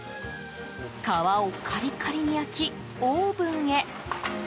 皮をカリカリに焼きオーブンへ。